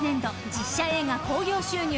実写映画興行収入